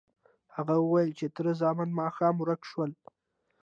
هغه وویل چې تره زامن ماښام ورک شول.